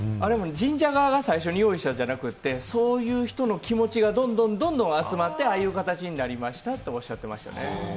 神社側が最初に用意したんじゃなくてそういう人の気持ちがどんどんどんどん集まってああいう形になりましたっておっしゃっていましたね。